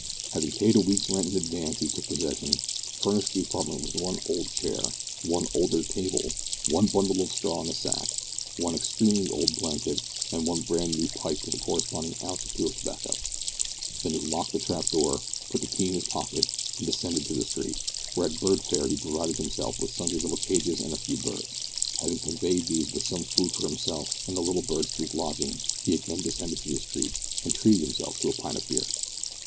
Having paid a week's rent in advance he took possession, furnished the apartment with one old chair, one older table, one bundle of straw in a sack, one extremely old blanket, and one brand new pipe with a corresponding ounce or two of tobacco. Then he locked the trap door, put the key in his pocket, and descended to the street, where at Bird fair he provided himself with sundry little cages and a few birds. Having conveyed these with some food for himself and the little birds to his lodging he again descended to the street, and treated himself to a pint of beer.